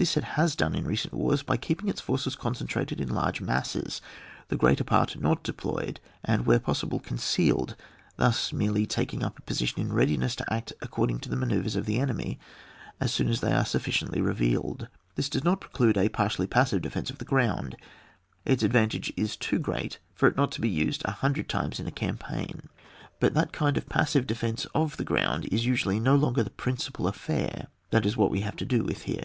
This it has done in recent wars by keep ing its forces concentrated in large masses, the greater part not deployed, and, where possible, concealed, thus merely taking up a position in readiness to act according to the measures of the enemy as soon as they are sufficiently revealed. This does not preclude a partially passive defence of the ground ; its ad vantage is too great for it not to be used a hundred times in a campaign. But that kind of passive defence of the ground is usually no longer the principal affair: that is what we have to do with here.